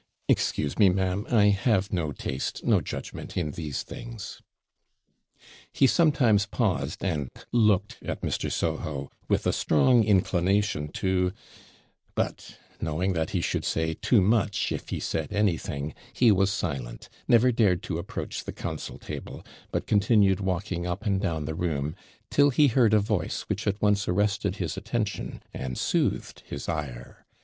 'Excuse me, ma'am. I have no taste, no judgment, in these things.' He sometimes paused, and looked at Mr. Soho with a strong inclination to But knowing that he should say too much, if he said anything, he was silent never dared to approach the council table but continued walking up and down the room, till he heard a voice, which at once arrested his attention, and soothed his ire.